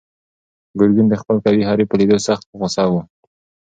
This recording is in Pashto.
ګرګین د خپل قوي حریف په لیدو سخت په غوسه و.